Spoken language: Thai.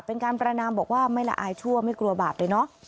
เป็นการประนามบอกว่าไม่ละอายชั่วไม่กลัวบาปเลยเนาะ